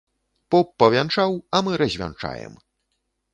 Поп павянчаў, а мы развянчаем.